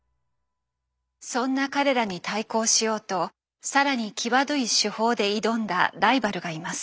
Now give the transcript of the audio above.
そんな彼らに対抗しようと更に際どい手法で挑んだライバルがいます。